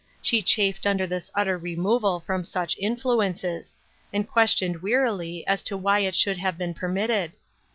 She chafed under this utter removal from such influences, and questioned wearily as to why it should have been permitted.